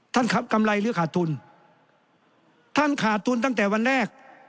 ครับกำไรหรือขาดทุนท่านขาดทุนตั้งแต่วันแรก